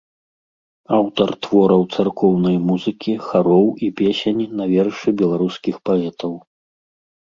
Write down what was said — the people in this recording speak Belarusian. Аўтар твораў царкоўнай музыкі, хароў і песень на вершы беларускіх паэтаў.